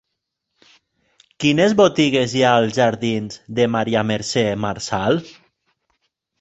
Quines botigues hi ha als jardins de Maria Mercè Marçal?